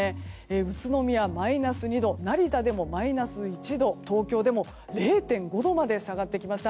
宇都宮、マイナス２度成田でもマイナス１度東京でも０．５度まで下がってきました。